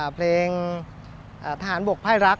เพลงอ่าทหารบกพ่ายรัก